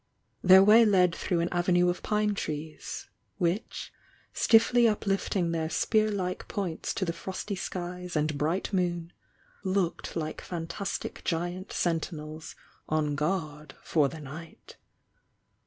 Their way led through an avenue of pine trees, which, stiffly uplifting their spear hke points to the frosty skies ar.U bright moon, looked hke fantastic giant sentinels on guard for the night.